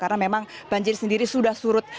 karena memang banjir sendiri sudah surut